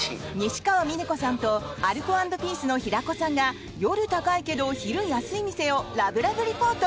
支川峰子さんとアルコ＆ピースの平子さんが夜高いけど昼安い店をラブラブリポート！